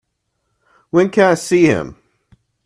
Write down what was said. When can I see him?